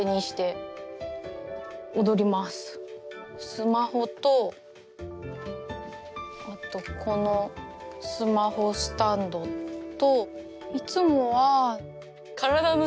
スマホとあとこのスマホスタンドと。